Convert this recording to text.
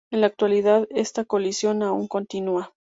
En la actualidad, esta colisión aún continúa.